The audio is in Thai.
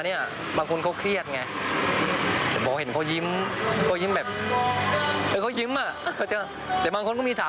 ดีงั้นนี่ฉันไปเต้นบ้างดีกว่า